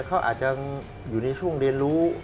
เขาอาจจะอยู่ในช่วงเรียนรู้